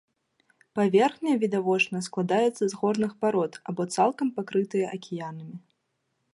Паверхня, відавочна, складаецца з горных парод, або цалкам пакрытая акіянамі.